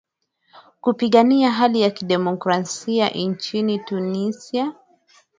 kupigania hali ya demokrasia nchini tunisia